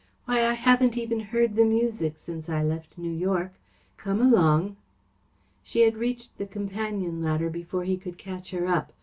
Why, I haven't even heard the music since I left New York! Come along!" She had reached the companion ladder before he could catch her up.